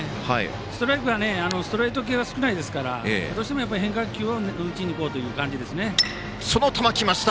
ストライクはストレート系は少ないですからどうしても変化球を打ちにいこうという感じですね。